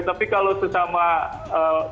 tapi kalau setiap warga negara kita ada